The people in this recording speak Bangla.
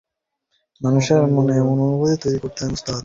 মানুষের মনে এমন অনুভূতি তৈরী করতে আমি ওস্তাদ।